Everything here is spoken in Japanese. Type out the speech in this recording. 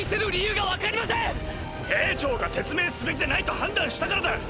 兵長が説明すべきでないと判断したからだ！